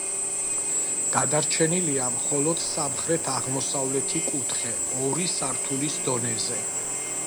გადარჩენილია მხოლოდ სამხრეთ-აღმოსავლეთი კუთხე ორი სართულის დონეზე.